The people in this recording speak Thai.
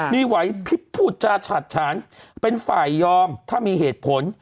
มีไหวพลิบพูดจาฉัดฉานเป็นฝ่ายยอมถ้ามีเหตุผล